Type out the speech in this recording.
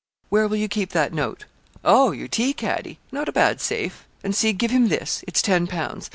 Where will you keep that note? Oh! your tea caddy, not a bad safe; and see, give him this, it's ten pounds.